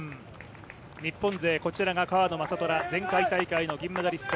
日本勢こちらが川野将虎前回大会の銀メダリスト。